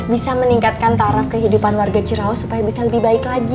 bisa meningkatkan taraf kehidupan warga cirawa supaya bisa lebih baik lagi